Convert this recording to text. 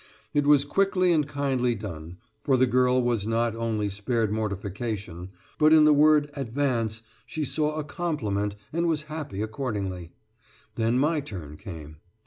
It was quickly and kindly done, for the girl was not only spared mortification, but in the word "advance" she saw a compliment and was happy accordingly. Then my turn came.